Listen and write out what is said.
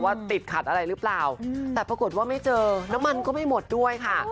ติดขัดอะไรหรือเปล่าแต่ปรากฏว่าไม่เจอน้ำมันก็ไม่หมดด้วยค่ะ